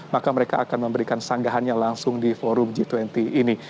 maka mereka akan memberikan sanggahannya langsung di forum g dua puluh ini